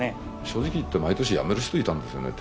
正直言って毎年辞める人いたんですよね